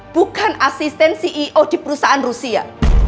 bukan asisten ceo di perusahaan rusia